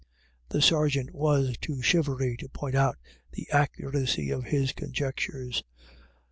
The sergeant was too shivery to point out the accuracy of his conjectures.